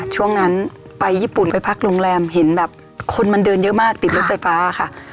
ช่วงนั้นไปญี่ปุ่นไปพักโรงแรมเห็นแบบคนมันเดินเยอะมากติดรถไฟฟ้าค่ะ